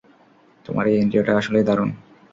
তোমার এই ইন্দ্রিয়টা আসলেই দারুণ।